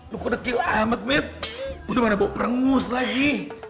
lu kudekil amat met udah mana bau perengus lagi